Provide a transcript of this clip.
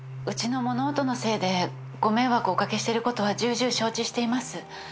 うちの物音のせいでご迷惑をお掛けしてることは重々承知しています。